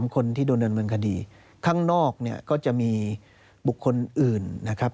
คนที่โดนดำเนินคดีข้างนอกเนี่ยก็จะมีบุคคลอื่นนะครับ